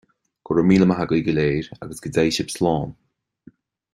Go raibh míle maith agaibh go léir, agus go dté sibh slán